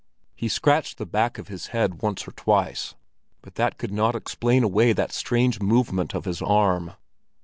He scratched the back of his head once or twice, but that could not explain away that strange movement of his arm.